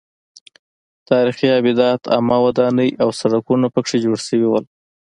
تاریخي ابدات عامه ودانۍ او سړکونه پکې جوړ شوي وو.